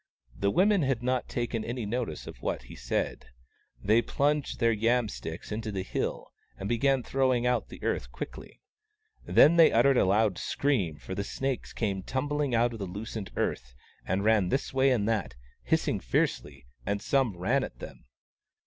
The women had not taken any notice of what he said. They plunged their yam sticks into the hill, and began throwing out the earth quickly. Then they uttered a loud scream, for the snakes came tumbling out of the loosened earth and ran this way and that, hissing fiercely — and some ran at them.